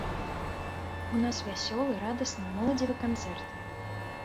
У нас вясёлы, радасны, моладзевы канцэрт.